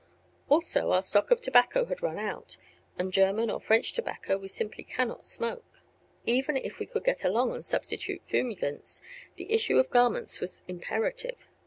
Also, our stock of tobacco had run out, and German or French tobacco we simply cannot smoke. Even if we could get along on substitute fumigants the issue of garments was imperative.